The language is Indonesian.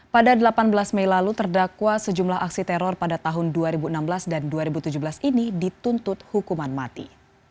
pada delapan belas mei lalu terdakwa sejumlah aksi teror pada tahun dua ribu enam belas dan dua ribu tujuh belas ini dituntut hukuman mati